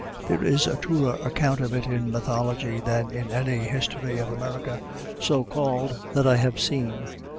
There is a truer account of it in mythology than in any history of America, so called, that I have seen.